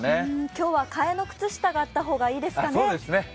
今日は替えの靴下があった方がいいですね。